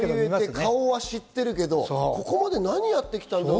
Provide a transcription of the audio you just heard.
顔は知ってるけど、ここまで何やってきたの？